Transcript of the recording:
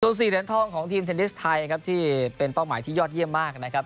ส่วน๔เหรียญทองของทีมเทนนิสไทยครับที่เป็นเป้าหมายที่ยอดเยี่ยมมากนะครับ